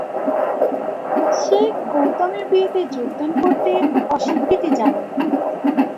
সে গৌতমের বিয়েতে যোগদান করতে অস্বীকৃতি জানায়।